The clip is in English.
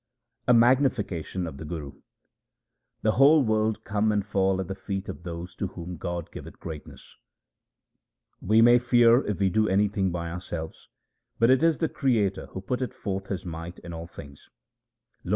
A magnification of the Guru :— The whole world come and fall at the feet of those to whom God giveth greatness. We may fear if we do anything by ourselves ; but it is the Creator who putteth forth His might in all things. Lo